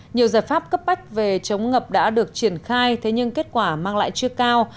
nhiều giải pháp cấp bách về chống ngập đã được triển khai thế nhưng kết quả mang lại chưa cao